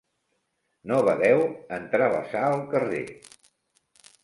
No badeu en travessar el carrer.